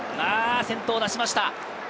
先頭を出しました。